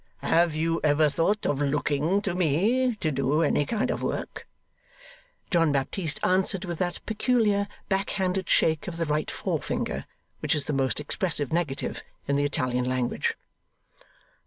'Have you ever thought of looking to me to do any kind of work?' John Baptist answered with that peculiar back handed shake of the right forefinger which is the most expressive negative in the Italian language.